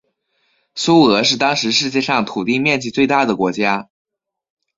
苏俄是当时世界上土地面积最大的国家。